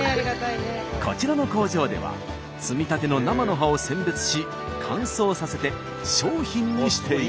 こちらの工場では摘みたての生の葉を選別し乾燥させて商品にしています。